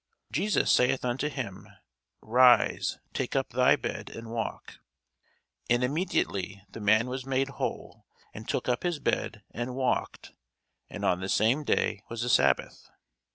Jesus saith unto him, Rise, take up thy bed, and walk. And immediately the man was made whole, and took up his bed, and walked: and on the same day was the sabbath.